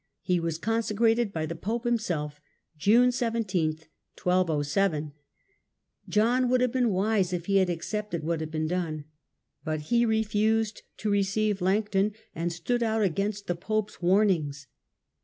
He was consecrated by the pope himself, June 17, 1207. John would have been wise if he had accepted what had been done; but he refused to receive Langton, and stood out against the pope's warnings.